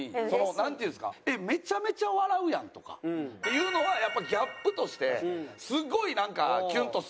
なんて言うんですかえっめちゃめちゃ笑うやん！とかっていうのはやっぱりギャップとしてすごいなんかキュンとするというか。